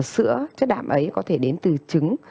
sữa chất đạm ấy có thể đến từ trứng